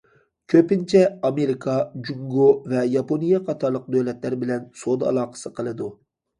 كۆپىنچە ئامېرىكا، جۇڭگو ۋە ياپونىيە قاتارلىق دۆلەتلەر بىلەن سودا ئالاقىسى قىلىدۇ.